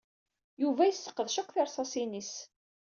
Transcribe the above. Yuba yesseqdec akk tirṣaṣin-is.